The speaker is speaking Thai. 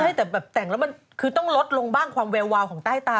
ใช่แต่แบบแต่งแล้วมันคือต้องลดลงบ้างความแวววาวของใต้ตา